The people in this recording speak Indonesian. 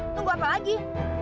tunggu apa lagi